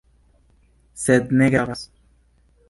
Sed ne gravas.